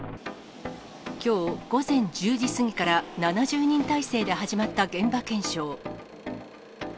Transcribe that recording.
きょう午前１０時過ぎから、７０人態勢で始まった現場検証。